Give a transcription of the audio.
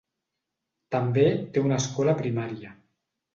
També té una escola primària.